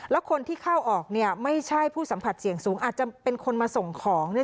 แล้วคนที่เข้าออกเนี่ยไม่ใช่ผู้สัมผัสเสี่ยงสูงอาจจะเป็นคนมาส่งของเนี่ย